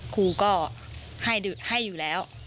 ครูก็ให้อยู่แล้ว